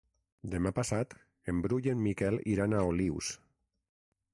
Demà passat en Bru i en Miquel iran a Olius.